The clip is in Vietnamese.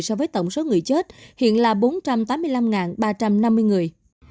so với tổng số người chết hiện là bốn trăm tám mươi năm ba trăm năm mươi người